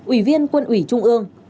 ủy viên quân ủy trung ương